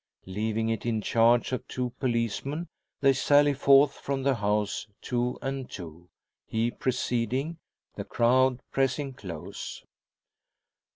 Leaving it in charge of two policemen, they sally forth from the house two and two, he preceding, the crowd pressing close.